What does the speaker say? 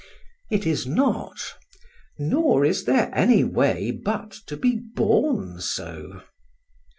It is not; nor is there any way but to be born so.